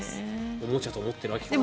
おもちゃと思ってるわけか。